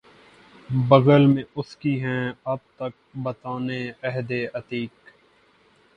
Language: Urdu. بغل میں اس کی ہیں اب تک بتان عہد عتیق